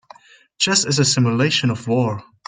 Chess is a simulation of war.